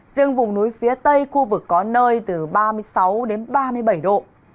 riêng vùng núi phía tây khu vực có nơi từ ba mươi sáu đến ba mươi bảy độ